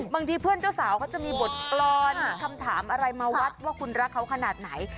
บางทีเพื่อนเจ้าสาวเขาจะมีบทกรรมอะไรมาวัดว่าคุณรักเขาขนาดไหน